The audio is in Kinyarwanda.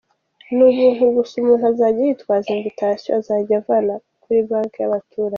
ni ubuntu gusa umuntu zajya yitwaza invitation azajya avana kuri Banki yabaturage.